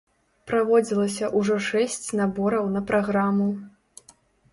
Праводзілася ўжо шэсць набораў на праграму.